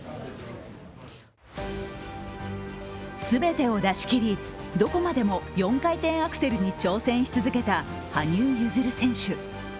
全てを出しきりどこまでも４回転アクセルに挑戦し続けた羽生結弦選手。